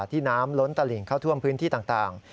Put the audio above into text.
น้ำล้นตลิงเข้าท่วมพื้นที่ต่าง